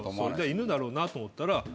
犬だろうなと思ったら。